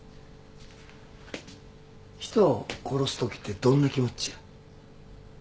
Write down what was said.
人を殺すときってどんな気持ちや？